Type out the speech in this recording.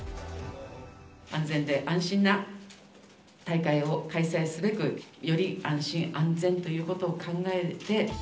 安全で安心な大会を開催すべく、より安心安全ということを考えて。